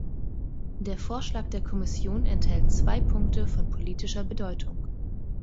Der Vorschlag der Kommission enthält zwei Punkte von politischer Bedeutung.